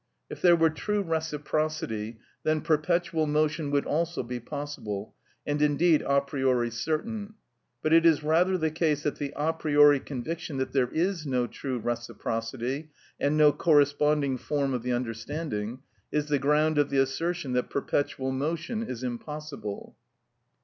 If there were true reciprocity, then perpetual motion would also be possible, and indeed a priori certain; but it is rather the case that the a priori conviction that there is no true reciprocity, and no corresponding form of the understanding, is the ground of the assertion that perpetual motion is impossible.